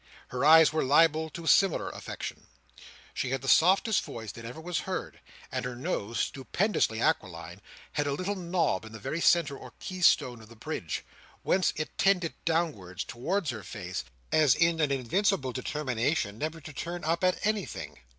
Her eyes were liable to a similar affection. She had the softest voice that ever was heard; and her nose, stupendously aquiline, had a little knob in the very centre or key stone of the bridge, whence it tended downwards towards her face, as in an invincible determination never to turn up at anything.